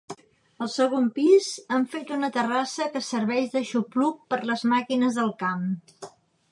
El segon pis, han fet una terrassa que serveix d'aixopluc per les màquines del camp.